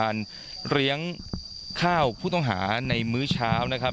อันนี้เดี๋ยวกำลังจะขึ้นไปแล้วใช่ไหมครับ